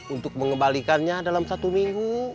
untuk mengembalikannya dalam satu minggu